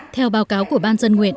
theo báo cáo của ban dân nguyện